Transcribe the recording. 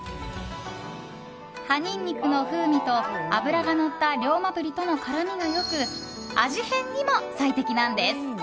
葉ニンニクの風味と脂がのった龍馬鰤との絡みが良く味変にも最適なんです。